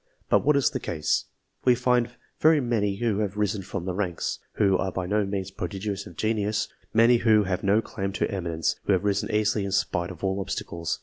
But what is the case ? We find very many who have risen from the ranks, who are by no means prodigies of genius ; many who have no claim to " eminence," who have risen easily in spite of all obstacles.